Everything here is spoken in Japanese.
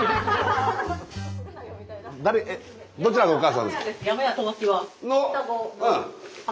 どちらがお母さんですか？